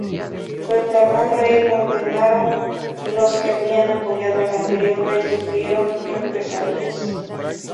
Proclamado rey Gundemaro, los que habían apoyado al anterior rey sufrieron represalias.